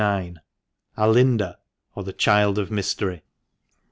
— "ALINIJA; OR, THE CHILD OF MYSTERY."